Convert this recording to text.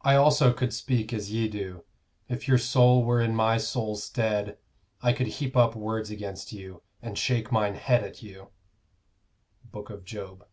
I also could speak as ye do; if your soul were in my soul's stead, I could heap up words against you, and shake mine head at you. _Book of Job.